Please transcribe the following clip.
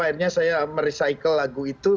akhirnya saya merecycle lagu itu